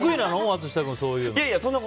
松下君、そういうの。